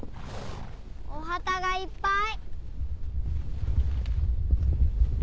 お旗がいっぱい。